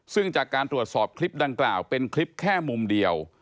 ซึ่งจากการตรวจสอบคลิปดังกล่าวเป็นคลิปแค่มุมเดียว